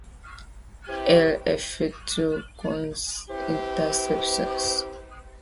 Il effectue quinze interceptions.